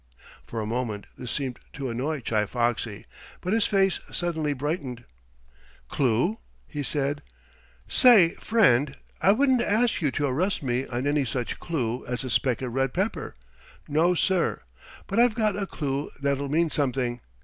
For a moment this seemed to annoy Chi Foxy, but his face suddenly brightened. "Clue?" he said. "Say, friend, I wouldn't ask you to arrest me on any such clue as a speck of red pepper. No, sir! But I've got a clue that'll mean something.